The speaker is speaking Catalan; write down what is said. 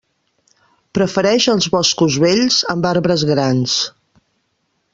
Prefereix els boscos vells, amb arbres grans.